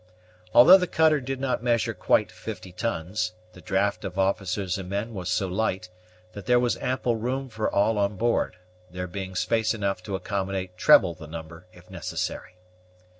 Although the cutter did not measure quite fifty tons, the draft of officers and men was so light, that there was ample room for all on board, there being space enough to accommodate treble the number, if necessary.